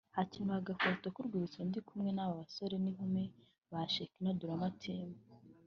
‘Hakenewe agafoto k’urwibutso ndi kumwe n’aba basore n’inkumi ba Shekinah Drama Team’